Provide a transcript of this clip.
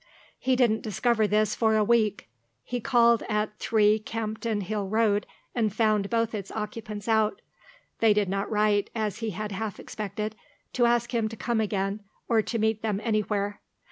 He didn't discover this for a week. He called at 3, Campden Hill Road, and found both its occupants out. They did not write, as he had half expected, to ask him to come again, or to meet them anywhere.